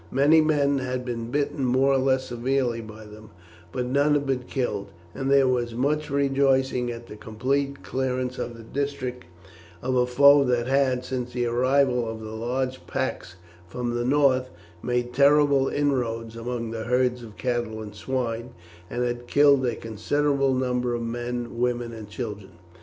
Many men had been bitten more or less severely by them, but none had been killed; and there was much rejoicing at the complete clearance from the district of a foe that had, since the arrival of the large packs from the north, made terrible inroads among the herds of cattle and swine, and had killed a considerable number of men, women, and children.